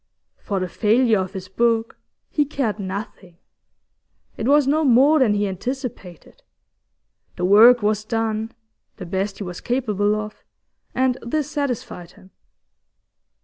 For the failure of his book he cared nothing. It was no more than he anticipated. The work was done the best he was capable of and this satisfied him.